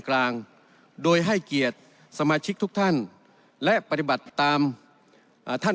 กลางโดยให้เกียรติสมาชิกทุกท่านและปฏิบัติตามท่าน